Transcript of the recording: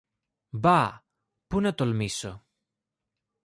Μπα! Πού να τολμήσω!